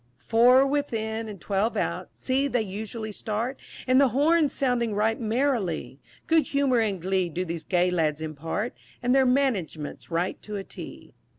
3. Four within and twelve out, see they usually start, And the horn sounding right merrily; Good humour and glee do these gay lads impart, And their management's right to a T. 4.